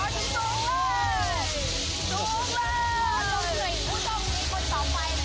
รอถึงสวย